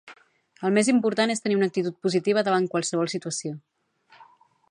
El més important és tenir una actitud positiva davant qualsevol situació.